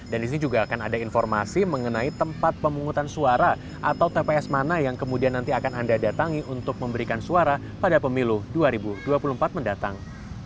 dan di sini juga akan ada informasi mengenai tempat pemungutan suara atau tps mana yang kemudian nanti akan anda datangi untuk memberikan suara pada pemilu dua ribu dua puluh empat mendatang